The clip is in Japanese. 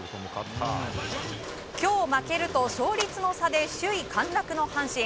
今日負けると勝率の差で首位陥落の阪神。